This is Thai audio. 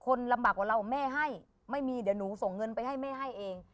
คนลำบากกว่าเราแม่ให้ไม่มีเดี๋ยวหนูส่งเงินไปให้แม่ให้เอง